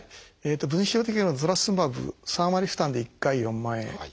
分子標的薬のトラスツズマブ３割負担で１回４万円。